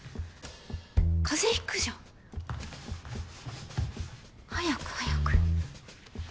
風邪ひくじゃん。早く早く。